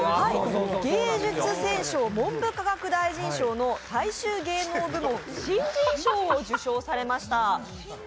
芸術選奨文部科学大臣賞の大衆芸能部門・新人賞を受賞されました。